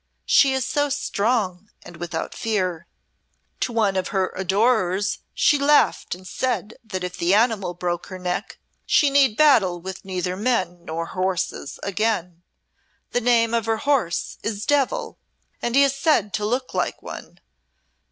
She is so strong and without fear." "To one of her adorers she laughed and said that if the animal broke her neck, she need battle with neither men nor horses again. The name of her horse is Devil, and he is said to look like one.